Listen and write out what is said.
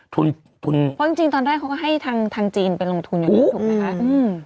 ทุนทุนเพราะจริงตอนแรกเขาก็ให้ทางจีนไปลงทุนอย่างนี้ถูกไหมคะ